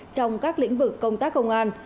trong các lĩnh vực công tác công an